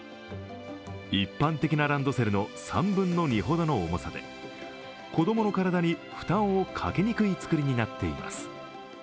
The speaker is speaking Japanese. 一般的なランドセルの３分の２ほどの重さで子供の体に負担をかけにくい作りになっています。